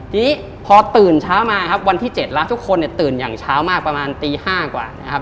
ทีนี้พอตื่นเช้ามาครับวันที่๗แล้วทุกคนเนี่ยตื่นอย่างเช้ามากประมาณตี๕กว่านะครับ